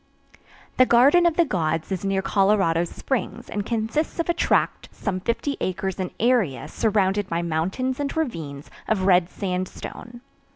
The Garden of the Gods is near Colorado Springs and consists of a tract some 50 acres in area surrounded by mountains and ravines of red sandstone.